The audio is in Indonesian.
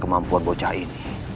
kemampuan bocah ini